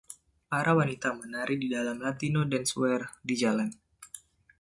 Para wanita menari di dalam Latino dancewear, di jalan.